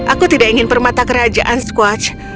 aku tidak ingin permata kerajaan squatch